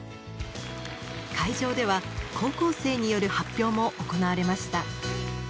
会場では高校生による発表も行われました。